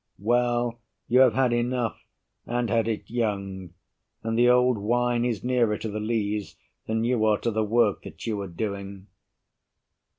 Well, you have had enough, and had it young; And the old wine is nearer to the lees Than you are to the work that you are doing.